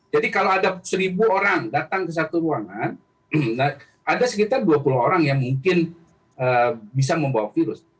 jadi kalau ada seribu orang datang ke satu ruangan ada sekitar dua puluh orang yang mungkin bisa membawa virus